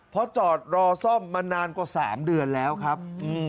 เพราะจอดรอซ่อมมานานกว่า๓เดือนแล้วครับ